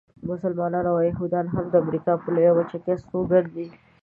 مسلمانان او یهودیان هم د امریکا په لویه وچه کې استوګنه دي.